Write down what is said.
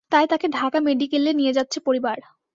তাই তাঁকে ঢাকা মেডিকেলে নিয়ে যাচ্ছে পরিবার।